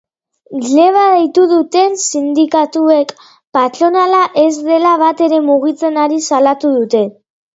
Greba deitu duten sindikatuek, patronala ez dela batere mugitzen ari salatu dute.